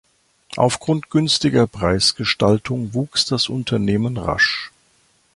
Aufgrund günstiger Preisgestaltung wuchs das Unternehmen rasch.